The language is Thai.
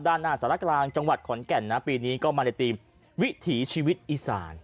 ด้านหน้าสารกลางจังหวัดขอนแก่นนะปีนี้ก็มาในทีมวิถีชีวิตอีสาน